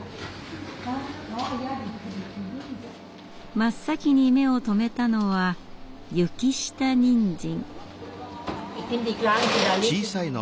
真っ先に目を留めたのは雪下にんじん。